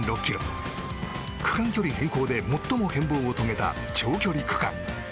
区間距離変更で最も変ぼうを遂げた長距離区間。